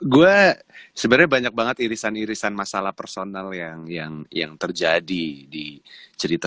gue sebenarnya banyak banget irisan irisan masalah personal yang yang terjadi di cerita